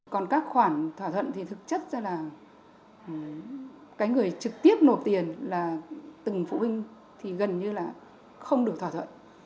còn các khoản thỏa thuận thì thực chất ra là cái người trực tiếp nộp tiền là từng phụ huynh thì gần như là không được thỏa thuận